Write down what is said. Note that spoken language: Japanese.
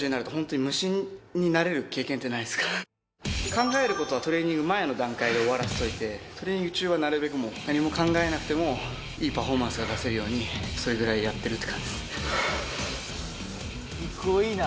考えることはトレーニング前の段階で終わらせといてトレーニング中はなるべくもう何も考えなくてもいいパフォーマンスが出せるようにそれぐらいやってるって感じですね